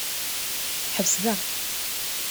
Ḥbes da.